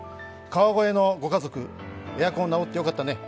川越のご家族、エアコン直ってよかったね。